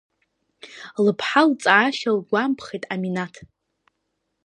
Лыԥҳа лҵаашьа лгәамԥхеит Аминаҭ.